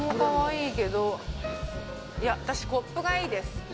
いや、私コップがいいです。